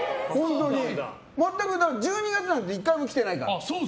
１２月なんて１回も来てないから。